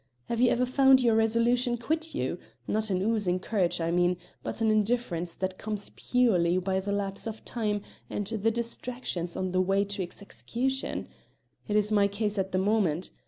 Have you ever found your resolution quit you not an oozing courage, I mean, but an indifference that comes purely by the lapse of time and the distractions on the way to its execution? It is my case at the moment.